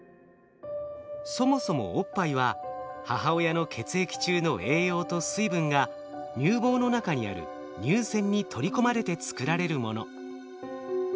そもそもおっぱいは母親の血液中の栄養と水分が乳房の中にある乳腺に取り込まれて作られるもの。